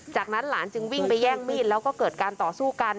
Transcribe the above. จากนั้นหลานจึงวิ่งไปแย่งมีดแล้วก็เกิดการต่อสู้กัน